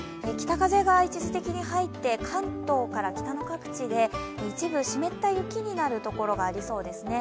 北風が一時的に入って関東から北の各地で一部湿った雪になるところがありそうです